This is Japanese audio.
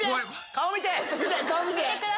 顔見て！